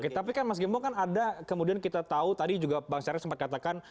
oke tapi kan mas gembong kan ada kemudian kita tahu tadi juga bang syarif sempat katakan